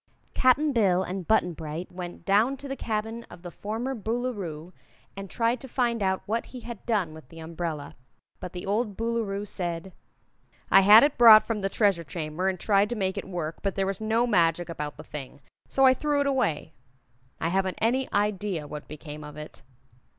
Cap'n Bill and Button Bright went down to the cabin of the former Boolooroo and tried to find out what he had done with the umbrella, but the old Boolooroo said: "I had it brought from the Treasure Chamber and tried to make it work, but there was no magic about the thing. So I threw it away. I haven't any idea what became of it."